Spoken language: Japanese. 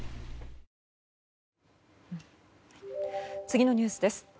次のニュースです。